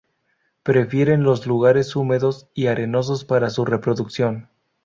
Prefieren los lugares húmedos y arenosos para su reproducción.